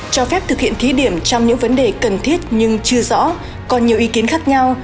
cho phép thực hiện thí điểm trong những vấn đề cần thiết nhưng chưa rõ còn nhiều ý kiến khác nhau